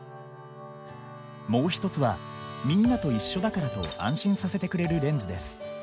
もう一つは「みんなと一緒だから」と安心させてくれるレンズです。